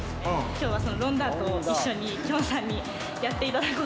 今日はそのロンダートを一緒にきょんさんにやって頂こうかなと思って。